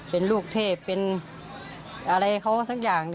เป็นลูกเทพเป็นอะไรเขาสักอย่าง